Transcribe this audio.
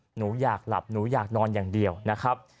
หนูอยากหลับหนูอยากนอนอย่างเดียวนะครับ